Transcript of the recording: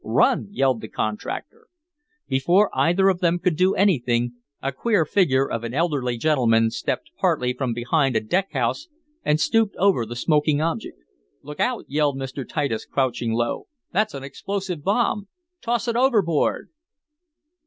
"Run!" yelled the contractor. Before either of them could do anything, a queer figure of an elderly gentleman stepped partly from behind a deck house, and stooped over the smoking object. "Look out!" yelled Mr. Titus, crouching low. "That's an explosive bomb! Toss it overboard!"